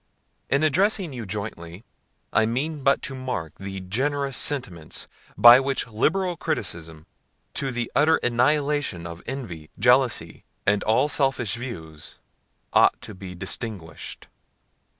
In addressing you jointly, I mean but to mark the generous sentiments by which liberal criticism, to the utter annihilation of envy, jealousy, and all selfish views, ought to be distinguished.